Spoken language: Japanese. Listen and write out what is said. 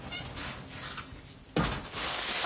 あ！